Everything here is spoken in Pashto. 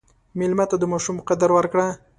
مېلمه ته د ماشوم قدر ورکړه.